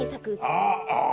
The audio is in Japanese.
ああ。